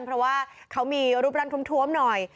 เพราะว่าเขามีรูปร่างท้วมหน่อย